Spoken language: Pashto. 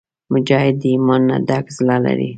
مجاهد د ایمان نه ډک زړه لري.